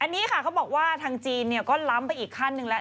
อันนี้ค่ะเขาบอกว่าทางจีนก็ล้ำไปอีกขั้นหนึ่งแล้ว